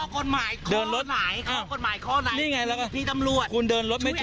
กฎหมายข้อไหนพี่ตำรวจ